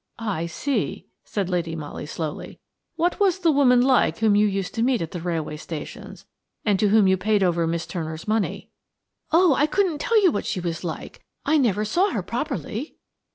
"I see," said Lady Molly slowly. "What was the woman like whom you used to meet at the railway stations, and to whom you paid over Miss Turner's money?" "Oh, I couldn't tell you what she was like. I never saw her properly."